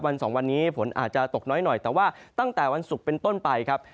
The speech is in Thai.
สองวันนี้ฝนอาจจะตกน้อยหน่อยแต่ว่าตั้งแต่วันศุกร์เป็นต้นไปครับ